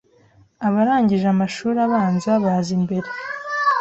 abarangije amashuri abanza baza imbere